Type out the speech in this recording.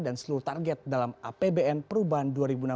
dan seluruh target dalam apbn perubahan dua ribu enam belas